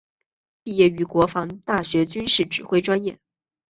毕业于国防大学军事指挥专业。